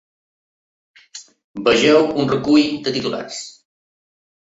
Vegeu un recull de titulars.